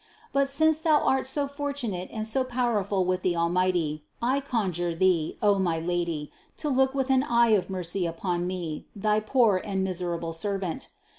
But since Thou art so fortunate and so powerful with the Almighty, I con jure Thee, O my Lady, to look with an eye of mercy upon me, thy poor and miserable servant.